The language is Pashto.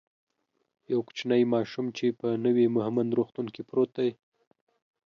یو کوچنی ماشوم چی په نوی مهمند روغتون کی پروت دی